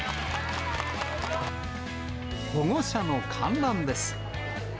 保護者の観覧です。